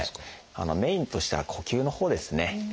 メインとしては呼吸のほうですね。